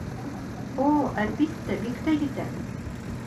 О, әлбиттә, бик тә етә!